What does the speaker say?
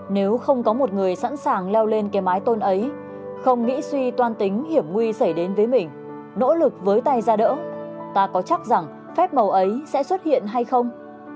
nếu không có một người sẵn sàng leo lên cái mái tôn ấy không nghĩ suy toan tính hiểm nguy xảy đến với mình nỗ lực với tay ra đỡ ta có chắc rằng phép màu ấy sẽ xuất hiện hay không